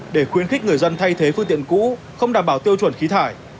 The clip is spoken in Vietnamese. để khuyến khích người dân thay thế phương tiện cũ không đảm bảo tiêu chuẩn khí thải